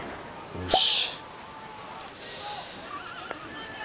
よし。